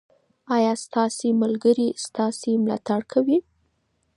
ایا ستاسې ملګري ستاسې ملاتړ کوي؟